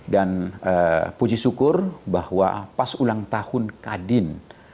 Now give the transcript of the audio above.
dan puji syukur bahwa pas ulang tahun kadin